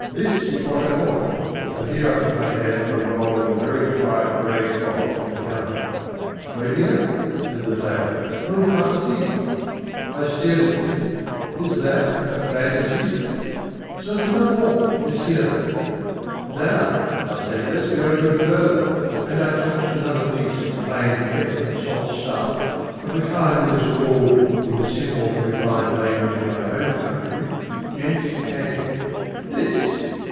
This is what I want" and here I put my hand on a roll of very quiet grey cloth on the counter. "Très bien," said the tailor, "une fantaisie." I stared at him. "Is that a fantaisie?" "Certainement, monsieur." "Now," I said, "let's go into it further," and I touched another piece of plain pepper and salt stuff of the kind that is called in the simple and refined language of my own country, gents' panting. "This?"